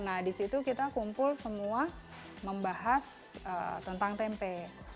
nah di situ kita kumpul semua membahas tentang tempe